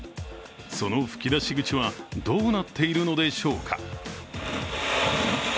その噴き出し口はどうなっているのでしょうか？